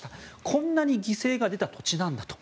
こんなに犠牲が出た土地なんだと。